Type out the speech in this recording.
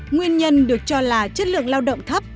nguyên nhân được cho là chất lượng lao động thấp